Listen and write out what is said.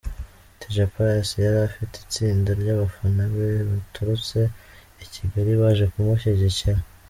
Dj Pius yarafite itsinda ry'abafana be baturutse i Kigali baje kumushyigikira.